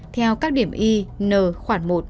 theo các điểm y n khoản một